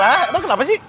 abang kenapa sih